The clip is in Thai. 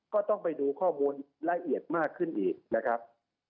ก็ต้องไปดูข้อมูลละเอียดมากขึ้นอีกนะครับ